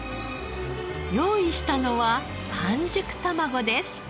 用意したのは半熟卵です。